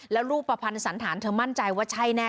แล้วรูปประพันธ์สันฐานเธอมั่นใจว่าใช่แน่